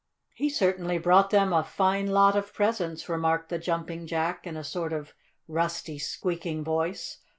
"He certainly brought them a fine lot of presents," remarked the Jumping Jack, in a sort of rusty, squeaking voice.